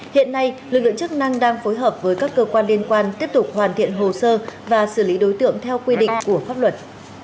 hiện nay lực lượng chức năng đang phối hợp với các cơ quan liên quan tiếp tục hoàn thiện hồ sơ và xử lý đối tượng theo quy định của pháp luật